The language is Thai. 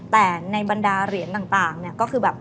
แต่ในบรรดาเหรียญต่างเนี่ยก็คือแบบ